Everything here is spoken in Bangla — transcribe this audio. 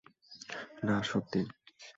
না, সত্যি।